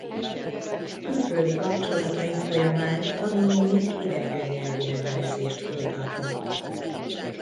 Külföldi kapcsolataink folyamán tanulóink idegen nyelvi levelezést folytatnak.